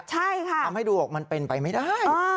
ใช่ค่ะทำให้ดูบอกมันเป็นไปไม่ได้